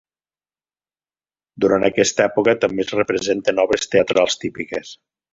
Durant aquesta època també es representen obres teatrals típiques.